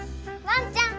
ワンちゃん！